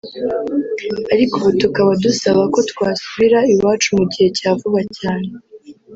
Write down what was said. ariko ubu tukaba dusaba ko twasubira iwacu mu gihe cya vuba cyane